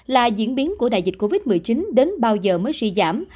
là diễn biến của đại dịch covid một mươi chín đến bao giờ mới suy giảm